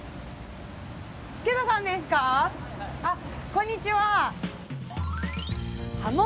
こんにちは！